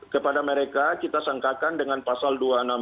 kepada mereka kita sangkakan dengan pasal dua ratus enam puluh